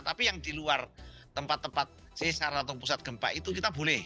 tapi yang di luar tempat tempat sesar atau pusat gempa itu kita boleh